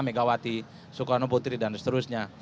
megawati soekarno putri dan seterusnya